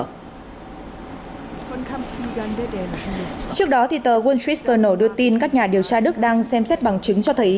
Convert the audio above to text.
trước đó thì tờ wall street journal đưa tin các nhà điều tra đức đang xem xét bằng chứng cho thấy